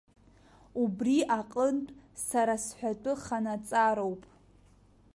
Убри аҟынтә сара сҳәатәы ханаҵароуп.